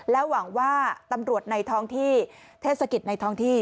หวังว่าตำรวจในท้องที่เทศกิจในท้องที่